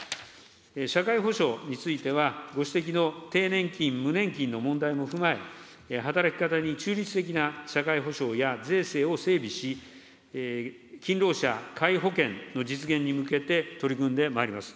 社会保障については、ご指摘の低年金無年金の問題も踏まえ、働き方に中立的な社会保障や税制を整備し、勤労者皆保険の実現に向けて取り組んでまいります。